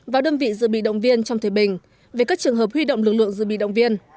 vào đơn vị dự bị động viên trong thời bình về các trường hợp huy động lực lượng dự bị động viên